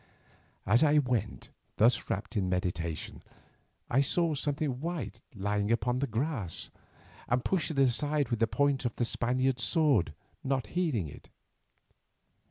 As I went, thus wrapped in meditation, I saw something white lying upon the grass, and pushed it aside with the point of the Spaniard's sword, not heeding it.